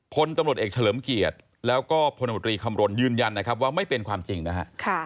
พลตำรวจเอกเฉลิมเกียรติแล้วก็พลมตรีคำรณยืนยันนะครับว่าไม่เป็นความจริงนะฮะ